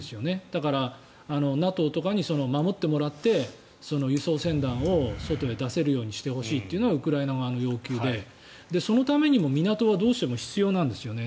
だからＮＡＴＯとかに守ってもらって輸送船団を外へ出せるようにしてほしいのがウクライナ側の要求でそのためにも港はどうしても必要なんですよね。